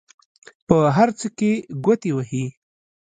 په هر څه کې ګوتې وهي.